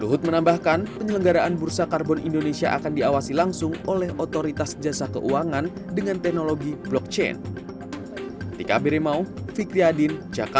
luhut menambahkan penyelenggaraan bursa karbon indonesia akan diawasi langsung oleh otoritas jasa keuangan dengan teknologi blockchain